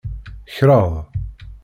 Kreḍ.